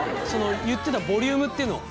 言ってたボリュームっていうのは？